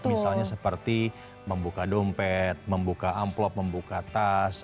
misalnya seperti membuka dompet membuka amplop membuka tas